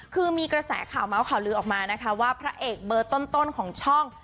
คือมีกระแสข่าวเมาส์ข่าวลือออกมานะคะว่าพระเอกเบอร์ต้นของช่อง